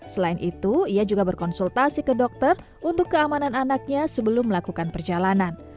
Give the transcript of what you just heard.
selain itu ia juga berkonsultasi ke dokter untuk keamanan anaknya sebelum melakukan perjalanan